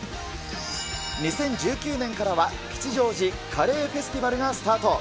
２０１９年からは、吉祥寺カレーフェスティバルがスタート。